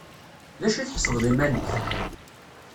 D acu i tḥesbeḍ iman-ik?